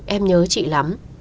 em nhớ chị lắm